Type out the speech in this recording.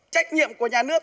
trách nhiệm của nhà nước